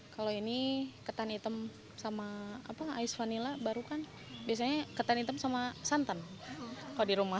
kalau ini ketan hitam sama ais vanila baru kan biasanya ketan hitam sama santan kalau di rumah